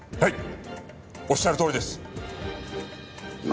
はい！